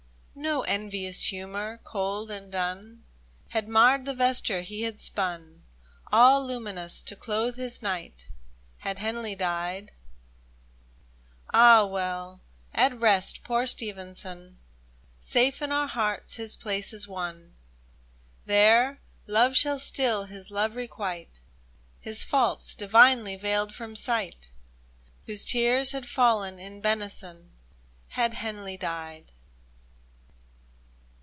No envious humor, cold and dun. Had marred the vesture he had spun. All luminous, to clothe his knight — Had Henley died I Ah, well ! at rest — poor Stevenson !— Safe in our hearts his place is won. 36 THE DIFFERENCE There love shall still his love requite, His faults divinely veiled from sight, Whose tears had fallen in benison, Had Henley died